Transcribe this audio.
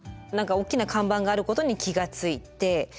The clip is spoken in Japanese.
何か大きな看板があることに気が付いて。